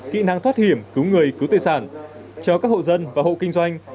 kỹ năng thoát hiểm cứu người cứu tài sản cho các hộ dân và hộ kinh doanh